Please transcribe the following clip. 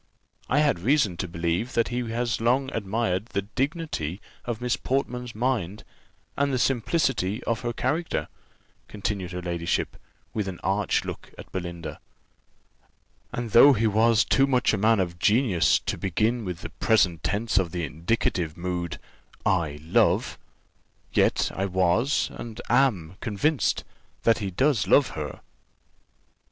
I had reason to believe that he has long admired the dignity of Miss Portman's mind, and the simplicity of her character," continued her ladyship, with an arch look at Belinda; "and though he was too much a man of genius to begin with the present tense of the indicative mood, 'I love,' yet I was, and am, convinced, that he does love her."